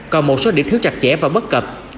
còn một số điểm thiếu chặt chẽ và bất cập